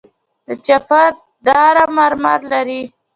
د چپه دره مرمر لري